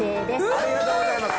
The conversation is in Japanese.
ありがとうございます。